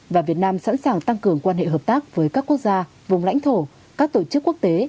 và việt nam sẵn sàng tăng cường quan hệ hợp tác với các quốc gia vùng lãnh thổ các tổ chức quốc tế